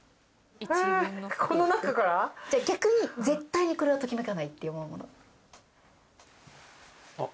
ええじゃあ逆に絶対にこれはときめかないって思うモノあっ